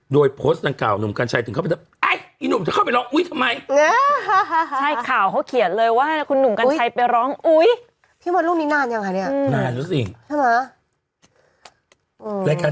ด้วยโพสต์ทางเก่านุ่มกัญชัยถึงเข้าไปเลือก